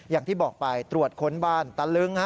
อย่างที่บอกไปตรวจค้นบ้านตะลึง